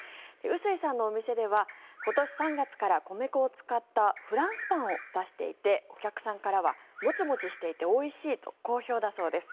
臼井さんのお店では今年３月から、米粉を使ったフランスパンを出していてお客さんからはモチモチしていておいしいと好評だそうです。